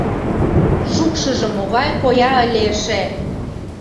Шукшыжо могай коя ыле эше!